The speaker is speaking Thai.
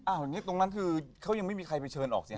อ้าวตรงนั้นคือเขายังไม่มีใครไปเชิญออกสิครับ